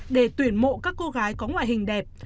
để tuyển mộ các cô gái có ngoại hình đẹp